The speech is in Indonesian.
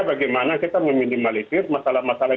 bagaimana kita meminimalisir masalah masalah